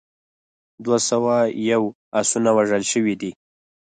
دوه سوه یو اسونه وژل شوي دي.